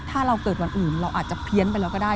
ถ้าเราเกิดวันอื่นเราอาจจะเพี้ยนไปแล้วก็ได้